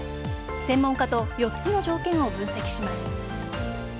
専門家と４つの条件を分析します。